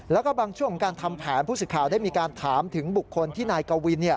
แล้วก็บางช่วงของการทำแผนผู้สื่อข่าวได้มีการถามถึงบุคคลที่นายกวิน